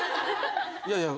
いやいや。